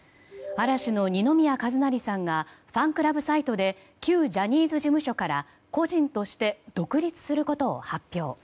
嵐の二宮和也さんがファンクラブサイトで旧ジャニーズ事務所から個人として独立することを発表。